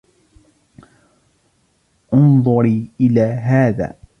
انظری الی هذا.